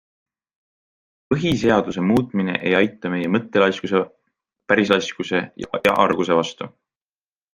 Põhiseaduse muutmine ei aita meie mõttelaiskuse, pärislaiskuse ja arguse vastu.